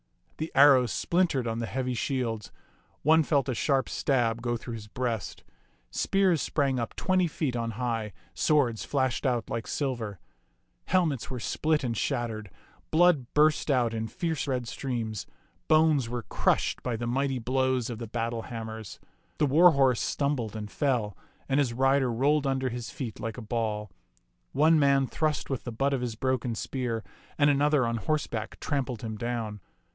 The arrows splintered on the heavy shields ; one felt a sharp stab go through his breast ; spears sprang up twenty feet on high ; swords flashed out like silver ; helmets were split and shattered ; blood burst out in fierce red streams ; bones were crushed by the mighty blows of the battle ham mers. The war horse stumbled and fell, and his rider rolled under his feet like a ball. One man thrust with the butt of his broken spear, and another on horse back trampled him down.